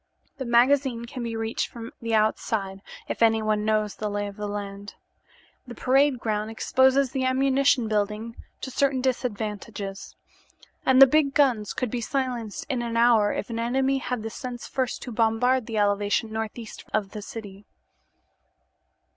The magazine can be reached from the outside if one knows the lay of the land; the parade ground exposes the ammunition building to certain disadvantages, and the big guns could be silenced in an hour if an enemy had the sense first to bombard from the elevation northeast of the city."